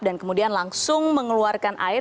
dan kemudian langsung mengeluarkan air